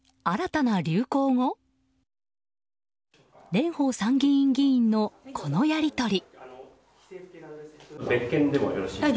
蓮舫参議院議員のこのやり取り。